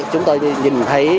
chúng tôi nhìn thấy